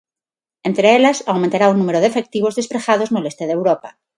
Entre elas, aumentará o número de efectivos despregados no leste de Europa.